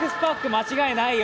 間違いないよ。